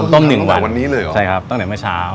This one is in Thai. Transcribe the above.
ต้องน้ำต้นมาตั้งแต่เมื่อเช้า